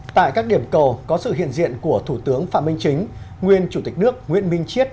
tại các điểm cầu có sự hiện diện của thủ tướng phạm minh chính nguyên chủ tịch nước nguyễn minh chiết